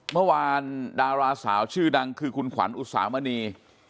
เมื่อวานดาราสาวชื่อดังคือคุณขวัญอุตสามณี